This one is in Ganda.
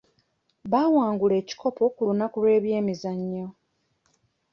Baawangula ekikopo ku lunaku lw'ebyemizannyo.